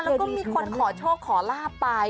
แล้วก็มีคนขอโชคขอลาบไป